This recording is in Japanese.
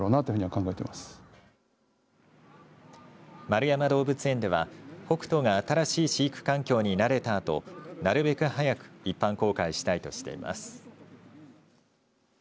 円山動物園ではホクトが新しい飼育環境に慣れたあとなるべく早く一般公開したいとしています。